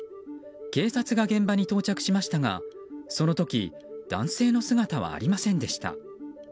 警察が現場に到着しましたがその時、男性の姿はありませんでした。